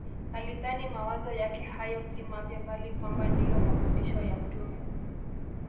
Alidhani mawazo yake hayo si mapya bali kwamba ndiyo mafundisho ya mtume